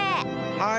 はい。